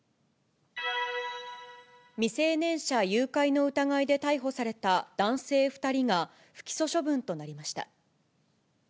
未成年者誘拐の疑いで逮捕された男性２人が、不起訴処分となりました。